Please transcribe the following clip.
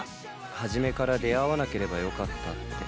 初めから出会わなければ良かったって。